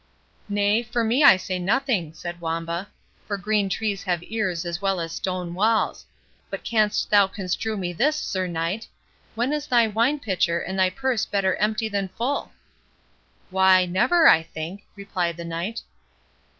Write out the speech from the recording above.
"Nay, for me I say nothing," said Wamba; "for green trees have ears as well as stone walls. But canst thou construe me this, Sir Knight—When is thy wine pitcher and thy purse better empty than full?" "Why, never, I think," replied the Knight.